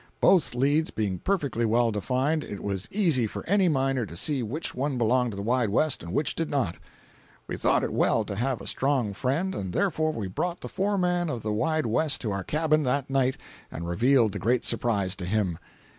Both leads being perfectly well defined, it was easy for any miner to see which one belonged to the Wide West and which did not. We thought it well to have a strong friend, and therefore we brought the foreman of the Wide West to our cabin that night and revealed the great surprise to him.